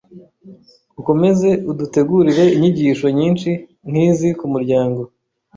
ukomeze udutegurire inyigisho nyinshi nk'izi ku muryango,